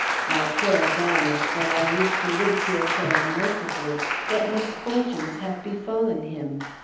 My poor Adonis, that I used to ridicule so unmercifully, what misfortunes have befallen him!